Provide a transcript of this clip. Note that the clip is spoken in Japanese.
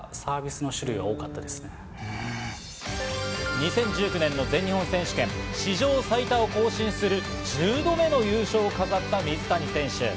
２０１９年の全日本選手権で史上最多を更新する１０度目の優勝を飾った水谷選手。